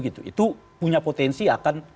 itu punya potensi akan